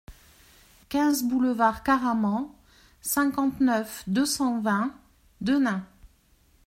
quinze boulevard Caraman, cinquante-neuf, deux cent vingt, Denain